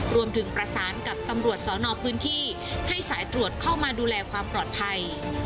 รวมถึงประสานกับตำรวจสอนอพื้นที่ให้สายตรวจเข้ามาดูแลความปลอดภัย